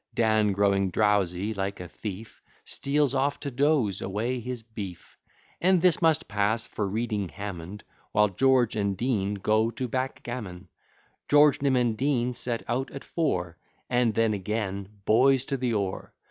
Dan, growing drowsy, like a thief Steals off to doze away his beef; And this must pass for reading Hammond While George and Dean go to backgammon. George, Nim, and Dean, set out at four, And then, again, boys, to the oar.